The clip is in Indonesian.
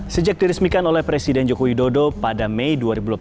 sejak diresmikan oleh presiden joko widodo pada mei dua ribu delapan belas